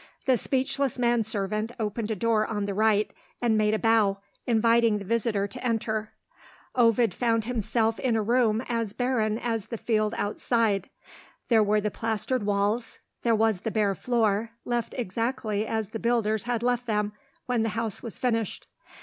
The speechless manservant opened a door on the right, and made a bow, inviting the visitor to enter. Ovid found himself in a room as barren as the field outside. There were the plastered walls, there was the bare floor, left exactly as the builders had left them when the house was finished.